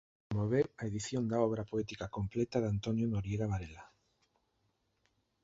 Promoveu a edición da obra poética completa de Antonio Noriega Varela.